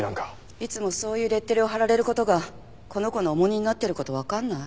いつもそういうレッテルを貼られる事がこの子の重荷になってる事わかんない？